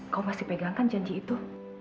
kau masih pegangkan janji itu